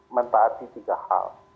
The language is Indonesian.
mentaati tiga hal